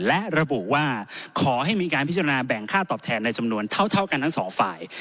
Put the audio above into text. และระบุว่าขอให้มีการพิจารณาแบ่งค่าตอบแทนในจำนวนเท่ากันทั้งสองฝ่าย